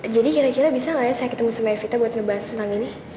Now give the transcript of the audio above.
jadi kira kira bisa gak ya saya ketemu evita buat ngebahas tentang ini